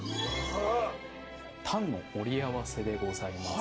タンの盛り合わせでございます。